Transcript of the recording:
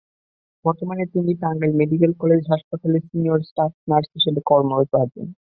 বর্তমানে তিনি Tangail medical college হাসপাতালে সিনিয়র স্টাফ নার্স হিসেবে কর্মরত আছেন।